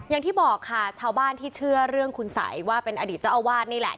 อย่างที่บอกค่ะชาวบ้านที่เชื่อเรื่องคุณสัยว่าเป็นอดีตเจ้าอาวาสนี่แหละ